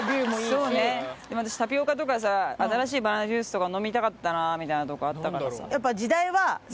でも私タピオカとかさ新しいバナナジュースとか飲みたかったなみたいなとこあったからさ。